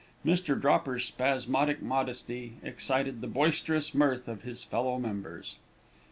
Mr. Dropper's spasmodic modesty excited the boisterous mirth of his fellow members.